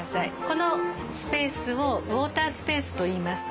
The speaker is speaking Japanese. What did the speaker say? このスペースをウォータースペースといいます。